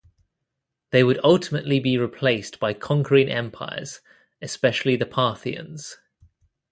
They would ultimately be replaced by conquering empires, especially the Parthians.